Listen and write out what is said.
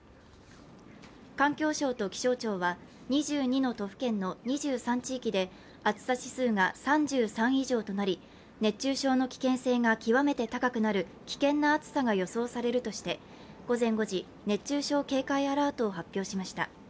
環境省と気象庁は２２の都府県の２３地域で暑さ指数が３３以上となり熱中症の危険性が極めて高くなる危険な暑さが予想されるとして午前５時熱中症警戒アラートを発表しました。